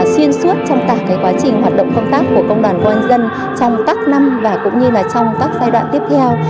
chiên suốt trong tả cái quá trình hoạt động công tác của công đoàn công an nhân dân trong các năm và cũng như là trong các giai đoạn tiếp theo